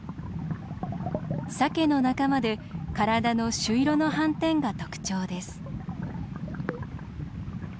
サケの仲間で体の朱色の斑点が特徴です。